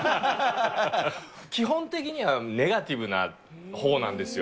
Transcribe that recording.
基本的にはネガティブなほうなんですよ。